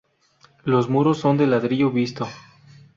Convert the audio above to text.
Los muros son de ladrillo visto.